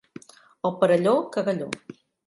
El Perelló, cagalló.